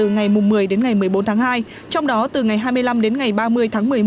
từ ngày một mươi đến ngày một mươi bốn tháng hai trong đó từ ngày hai mươi năm đến ngày ba mươi tháng một mươi một